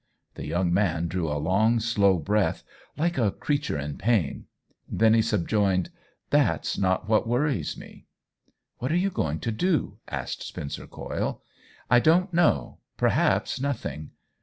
The young man drew a long, slow breath, like a creature in pain ; then he subjoined :" That's not what worries me !" "What are you going to do?" asked Spencer Coyle. " I don't know ; perhaps nothing.